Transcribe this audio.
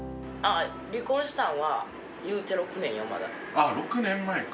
・あっ６年前か。